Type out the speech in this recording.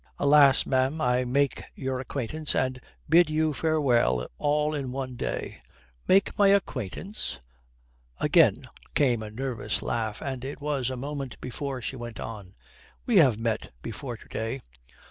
"Alas, ma'am, I make your acquaintance and bid you farewell all in one day." "Make my acquaintance!" Again came a nervous laugh, and it was a moment before she went on. "We have met before to day."